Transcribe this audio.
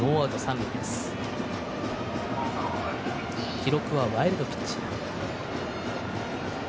記録はワイルドピッチ。